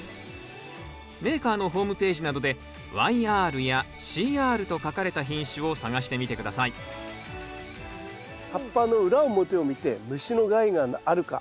メーカーのホームページなどで「ＹＲ」や「ＣＲ」と書かれた品種を探してみて下さい葉っぱの裏表を見て虫の害があるかそれとも虫がいないかよく見て下さい。